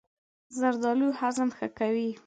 زردالو هضم ښه کوي.